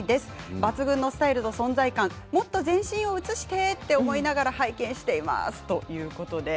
抜群のスタイルと存在感、もっと全身を映してと思いながら拝見していますということです。